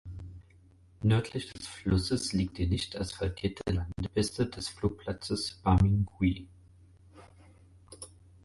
Nördlich des Flusses liegt die nicht asphaltierte Landepiste des Flugplatzes Bamingui.